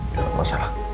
gak ada masalah